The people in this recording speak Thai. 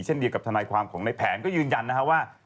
เช่นเดียวกับทนายความของในแผนก็ยืนยันนะครับว่า